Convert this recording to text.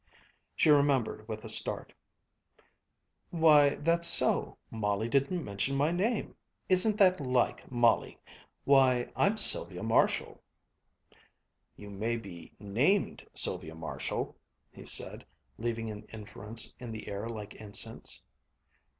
She remembered with a start. "Why, that's so, Molly didn't mention my name isn't that like Molly! Why, I'm Sylvia Marshall," "You may be named Sylvia Marshall!" he said, leaving an inference in the air like incense.